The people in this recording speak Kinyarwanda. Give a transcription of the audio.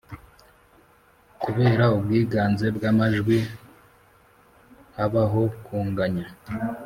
Kubera ubwiganze bw’amajwi habaho kunganya